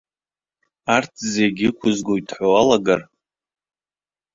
Арҭ зегьы ықәызгоит ҳәа уалагар.